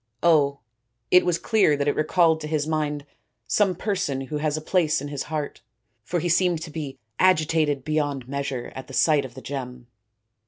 " Oh, it was clear that it recalled to his mind some person who has a place in his heart ; for he seemed to be agitated beyond measure at the sight of the gem."